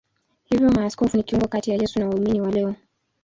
Hivyo maaskofu ni kiungo kati ya Yesu na waumini wa leo.